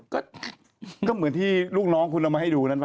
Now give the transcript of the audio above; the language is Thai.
ก็เหมือนที่ลูกน้องคุณเอามาให้ดูนั่นป่